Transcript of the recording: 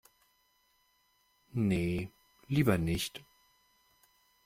Nee, lieber nicht.